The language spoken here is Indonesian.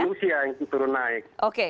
emosi manusia yang turun naik